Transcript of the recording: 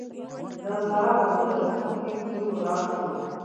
د سارا په ټوله سيمه کې بوی ولاړ شو.